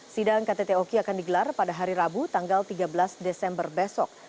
sidang ktt oki akan digelar pada hari rabu tanggal tiga belas desember besok